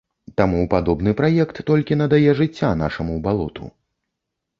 Таму падобны праект толькі надае жыцця нашаму балоту.